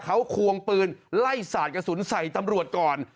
เขาควงปืนไล่สาดกระสุนใส่ตำรวจก่อน